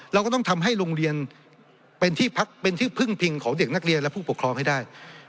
เราก็ต้องทำให้โรงเรียนเป็นที่พักเป็นที่พึ่งพิงของเด็กนักเรียนและผู้ปกครองให้ได้